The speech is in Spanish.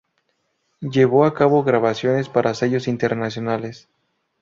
Llevó a cabo grabaciones para sellos internacionales.